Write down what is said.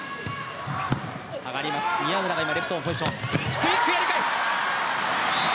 クイックでやり返す